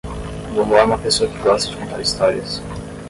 Vovó é uma pessoa que gosta de contar histórias.